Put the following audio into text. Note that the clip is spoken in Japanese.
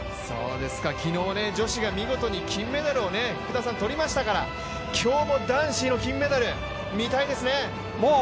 昨日、女子が見事に金メダルを取りましたから、今日も男子の金メダル、見たいですね。